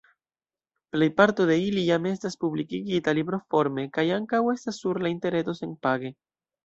Plejparto de ili jam estas publikigita libroforme kaj ankaŭ estas sur la interreto senpage.